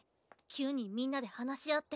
９人みんなで話し合って。